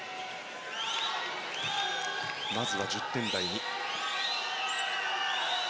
まずは１０点台に。